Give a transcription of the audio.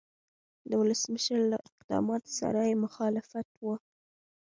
د ولسمشر له اقداماتو سره یې مخالفت و.